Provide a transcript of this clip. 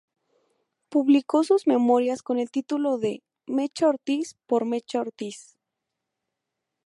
Publicó sus memorias con el título de "Mecha Ortiz por Mecha Ortiz".